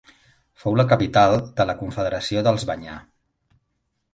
Fou la capital de la confederació dels Banyar.